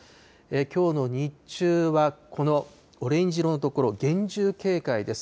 きょうの日中は、このオレンジ色の所、厳重警戒です。